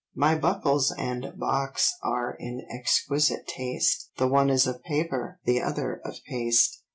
My buckles and box are in exquisite taste, The one is of paper, the other of paste."